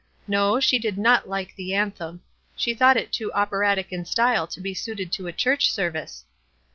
"No, she did not like the an them. She thought it too operatic in style to be suited to a church service."